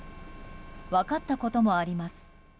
分かったこともあります。